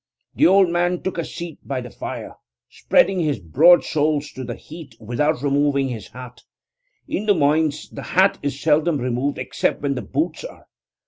The old man took a seat by the fire, spreading his broad soles to the heat without removing his hat. In the mines the hat is seldom removed except when the boots are.